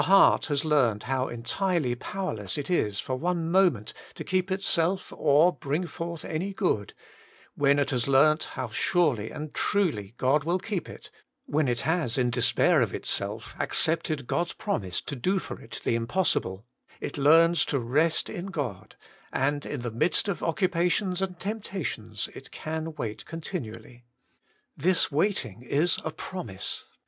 heart has learned how entirely power less it is for one moment to keep itself or bring forth any good, when it has learnt how surely and truly God will keep it, when it has, in despair of itself, accepted God's promise to do for it the impossible, it learns to rest in God, and in the midst of occupations and temptations it can wait continually. This waiting is a promise.